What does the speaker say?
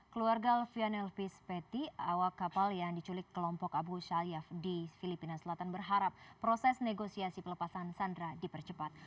keluarga alfian elvis petty awak kapal yang diculik kelompok abu sayyaf di filipina selatan berharap proses negosiasi pelepasan sandra dipercepat